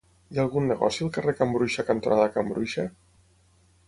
Hi ha algun negoci al carrer Can Bruixa cantonada Can Bruixa?